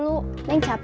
begitu standsmeh jangan